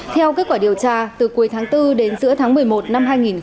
theo kết quả điều tra từ cuối tháng bốn đến giữa tháng một mươi một năm hai nghìn hai mươi